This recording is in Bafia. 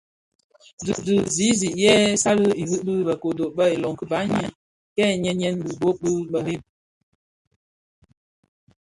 Dhi ki zizig yè salèn irig bi bë kodo bë ilom ki baňi kè nyèn nyèn (bighök dhi mereb).